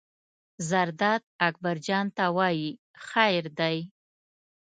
زرداد اکبر جان ته وایي: خیر دی.